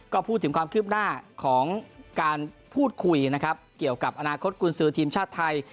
ก็พูดถึงความคืบหน้าของการพูดคุยนะครับเกี่ยวกับอนาคตกุญสือทีมชาติไทย